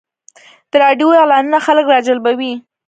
د راډیو اعلانونه خلک راجلبوي.